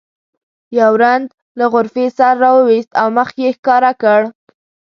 یو رند له غرفې سر راوویست او مخ یې ښکاره کړ.